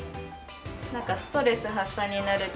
なんかストレス発散になるって人も。